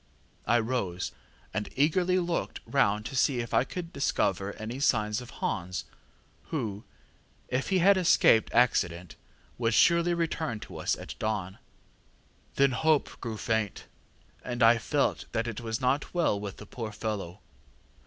I rose, and eagerly looked round to see if I could discover any signs of Hans, who, if he had escaped accident, would surely return to us at dawn, but there were none. Then hope grew faint, and I felt that it was not well with the poor fellow.